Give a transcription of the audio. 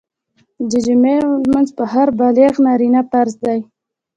د جمعي لمونځ په هر بالغ نارينه فرض دی